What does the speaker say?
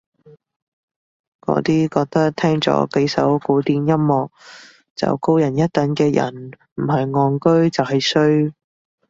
嗰啲覺得聽咗幾首古典音樂就高人一等嘅人唔係戇居就係衰